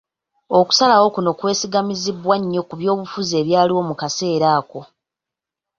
Okusalawo kuno kwesigamizibwa nnyo ku by'obufuzi ebyaliwo mu kaseera ako.